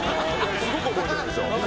すごく覚えてるんですよ。